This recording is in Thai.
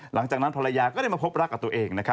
หลังจากนั้นภรรยาก็ได้มาพบรักกับตัวเอง